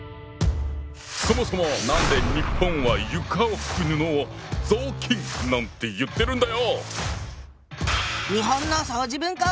そもそも何で日本は床を拭く布を「雑巾」なんて言ってるんだよ！